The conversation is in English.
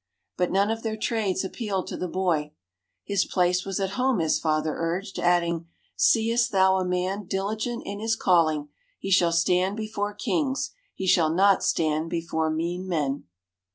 But none of their trades appealed to the boy. His place was at home his father urged, adding: "Seest thou a man diligent in his calling, he shall stand before Kings; he shall not stand before mean men."